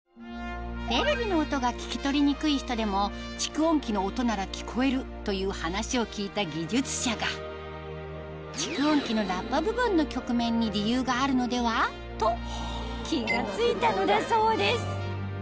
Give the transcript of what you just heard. テレビの音が聞き取りにくい人でも蓄音器の音なら聞こえるという話を聞いた技術者が蓄音器のラッパ部分の曲面に理由があるのでは？と気が付いたのだそうです